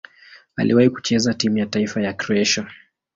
Aliwahi kucheza timu ya taifa ya Kroatia.